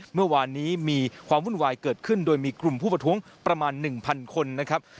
เมื่อวานนี้มีความวุ่นวายเกิดขึ้นโดยมีกลุ่มผู้ประท้วงประมาณ๑๐๐คนนะครับ